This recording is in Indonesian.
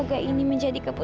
terima kasih pak